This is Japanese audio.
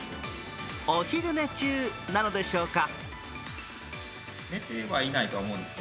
お昼寝中なのでしょうか。